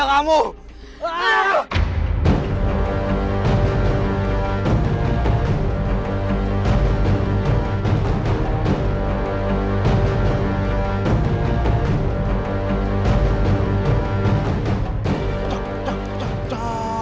ke tempat kau